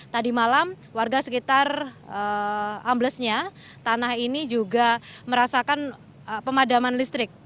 tadi malam warga sekitar amblesnya tanah ini juga merasakan pemadaman listrik